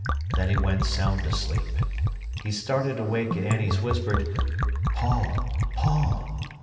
Then he went sound asleep. He started awake at Annie's whispered, "Paul, Paul!"